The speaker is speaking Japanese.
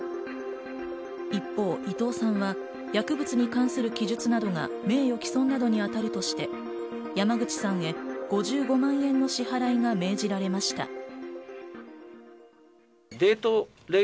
一方、伊藤さんは薬物に関する記述などが名誉毀損などに当たるとして、山口さんへ５５万円の支払いが命じられました。